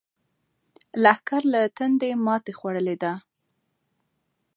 لښکر له تندې ماتې خوړلې ده.